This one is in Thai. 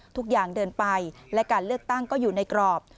ทุกอย่างเดินไปและการเลือกตั้งก็อยู่ในกรอบ